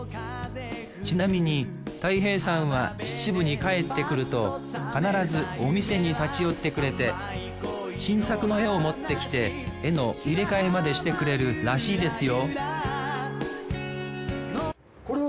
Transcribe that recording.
ちなみにたい平さんは秩父に帰ってくると必ずお店に立ち寄ってくれて新作の絵を持ってきて絵の入れ替えまでしてくれるらしいですよ